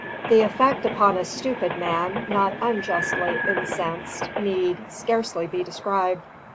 The effect upon a stupid man not unjustly incensed need scarcely be described.